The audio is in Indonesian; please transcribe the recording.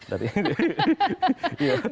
gitu ya pak